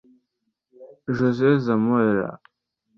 José Zamora